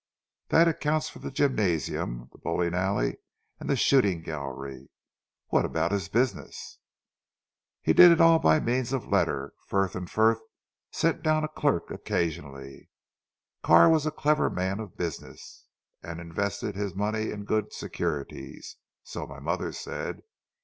"Humph! That accounts for the gymnasium, the bowling alley, and the shooting gallery. What about his business?" "He did it all my means of letter. Frith and Frith sent down a clerk occasionally. Carr was a clever man of business, and invested his money in good securities. So my mother said.